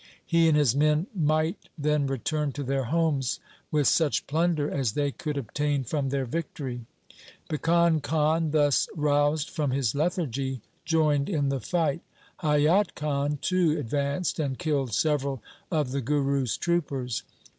He and his men might then return to their homes with such plunder as they could obtain from their victory. Bhikan Khan, thus roused from his lethargy, joined in the fight. Haiyat Khan too advanced and killed several of the Guru's troopers.